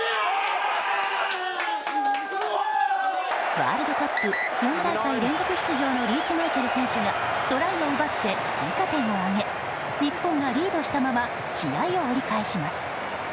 ワールドカップ４大会連続出場のリーチマイケル選手がトライを奪って追加点を挙げ日本がリードしたまま試合を折り返します。